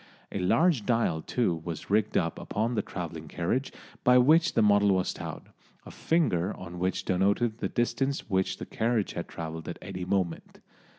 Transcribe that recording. A large dial too was rigged up upon the travelling carriage by which the model was towed, a finger on which denoted the distance which the carriage had travelled at any moment.